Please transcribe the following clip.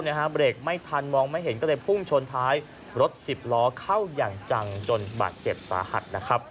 เบรกไม่ทันมองไม่เห็นก็เลยพุ่งชนท้ายรถสิบล้อเข้าอย่างจังจนบาดเจ็บสาหัสนะครับ